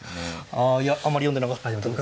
あいやあまり読んでなかったです。